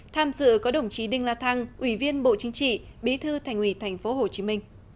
tham dự có đồng chí đinh la thăng ủy viên bộ chính trị bí thư thành ủy tp hcm